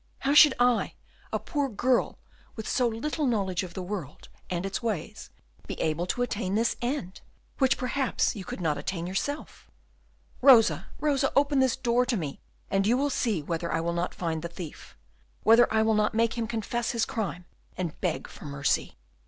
How should I, a poor girl, with so little knowledge of the world and its ways, be able to attain this end, which perhaps you could not attain yourself?" "Rosa, Rosa, open this door to me, and you will see whether I will not find the thief, whether I will not make him confess his crime and beg for mercy."